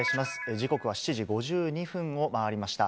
時刻は７時５２分を回りました。